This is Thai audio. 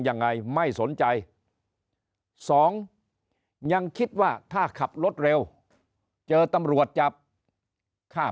ยังไงไม่สนใจสองยังคิดว่าถ้าขับรถเร็วเจอตำรวจจับฆ่า